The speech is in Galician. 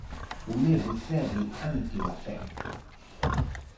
O medo cede ante o afecto.